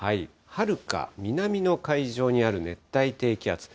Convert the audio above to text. はるか南の海上にある熱帯低気圧。